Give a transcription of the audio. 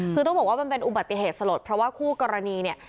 คือต้องบอกว่ามันเป็นอุบัติเหตุสลดเพราะว่าคู่กรณีเนี่ย